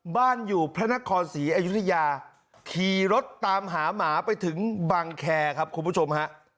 บ้านอยู่พระนครศรีอยุธยาขี่รถตามหาหมาไปถึงบังแคร์ครับคุณผู้ชมฮะ